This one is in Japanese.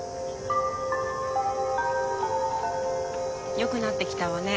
良くなってきたわね